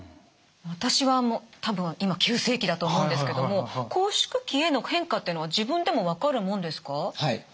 私は多分今急性期だと思うんですけども拘縮期への変化っていうのは自分でも分かるもんですか？